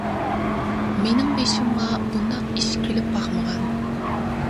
مېنىڭ بېشىمغا بۇنداق ئىش كېلىپ باقمىغان.